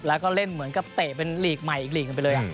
แล้วก็เล่นเหมือนกับเตะเป็นลีกใหม่อีกหลีกกันไปเลย